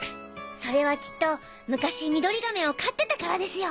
それはきっと昔ミドリガメを飼ってたからですよ！